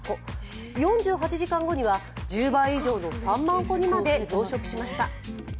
４８時間後には１０倍以上の３万個にまで増殖しました。